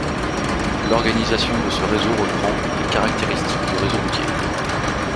L'organisation de ce réseau reprend les caractéristiques du réseau routier.